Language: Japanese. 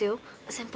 先輩